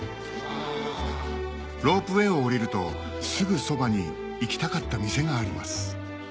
ロープウエーを降りるとすぐそばに行きたかった店があります